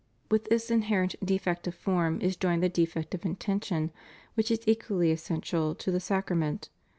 With this inherent defect of form is joined the defect of intention, which is equally essential to the sacrament.